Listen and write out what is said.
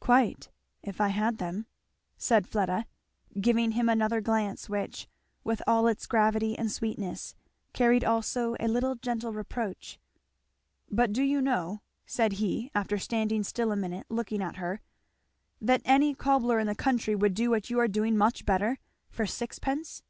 "Quite if I had them," said Fleda, giving him another glance which, with all its gravity and sweetness, carried also a little gentle reproach. "But do you know," said he after standing still a minute looking at her, "that any cobbler in the country would do what you are doing much better for sixpence?"